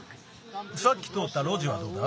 さっきとおったろじはどうだ？